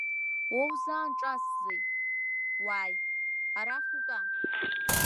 Уа узаанҿасзеи, уааи, арахь утәа!